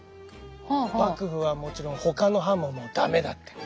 幕府はもちろんほかの藩も駄目だって。